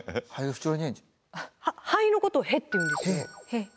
「灰」のことを「へ」って言うんですよ。